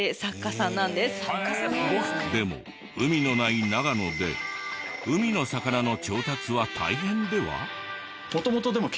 でも海のない長野で海の魚の調達は大変では？